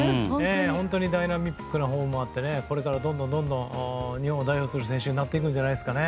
本当にダイナミックなフォームもあってこれからどんどん日本を代表する選手になっていくんじゃないですかね。